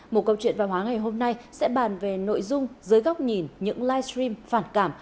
một câu chuyện văn hóa ngày hôm nay sẽ bàn về nội dung dưới góc nhìn những livestream phản cảm